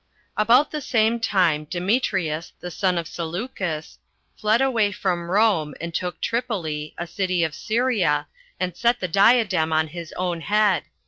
1. About the same time Demetrius, the son of Seleucus, fled away from Rome, and took Tripoli, a city of Syria, and set the diadem on his own head.